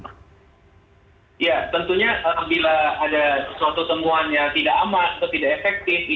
ya tentunya bila ada suatu temuan yang tidak aman atau tidak efektif